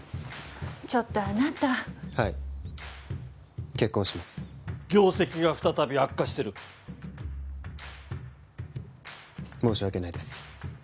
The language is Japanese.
ちょっとあなたはい結婚します業績が再び悪化してる申し訳ないです